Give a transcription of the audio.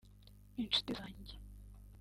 inshuti zanjye